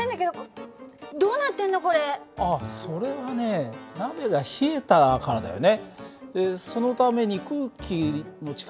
あっそれはね鍋が冷えたからだよね。